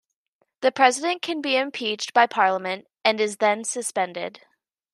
The President can be impeached by Parliament and is then suspended.